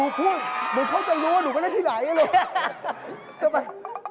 นูพุ่งเหมือนเขาจะรู้ว่าหนูว่าเล่นที่ไหร่นี่น่ะลูก